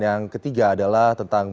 yang menjadi catatan